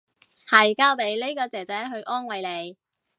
係交俾呢個姐姐去安慰你